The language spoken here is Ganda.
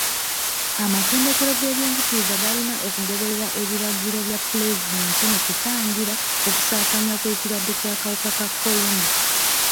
Amatendekero g'ebyenjigiriza galina okugoberera ebiragiro bya pulezidenti mu kutangira okusaasaana kw'ekirwadde ky'akawuka ka kolona.